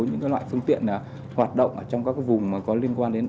những loại phương tiện hoạt động trong các vùng có liên quan đến